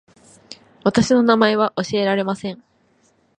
私の名前は教えられません